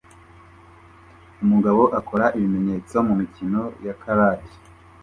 Umugabo akora ibimenyetso mumikino ya charade